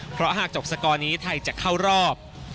เพราะหากจบสกอร์นี้ไทยจะเข้ารอบ